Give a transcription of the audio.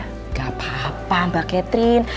tidak apa apa mbak catherine